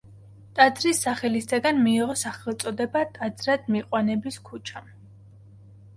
ტაძრის სახელისაგან მიიღო სახელწოდება ტაძრად მიყვანების ქუჩამ.